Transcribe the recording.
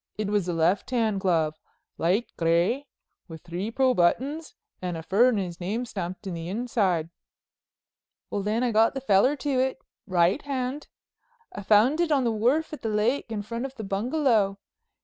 It was a left hand glove, light gray with three pearl buttons and a furrener's name stamped in the inside." "Well, then, I got the feller to it—right hand. I found it on the wharf at the lake, in front of the bungalow.